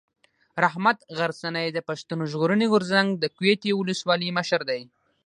رحمت غرڅنی د پښتون ژغورني غورځنګ د کوټي اولسوالۍ مشر دی.